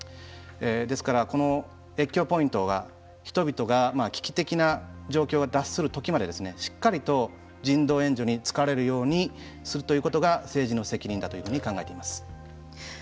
ですから、この越境ポイントが人々が危機的な状況を脱するときまでしっかりと人道援助に使われるようにするということが政治の責任だと考えています。